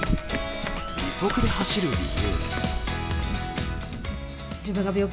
義足で走る理由。